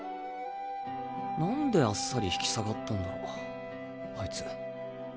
なんでアッサリ引き下がったんだろあいつ。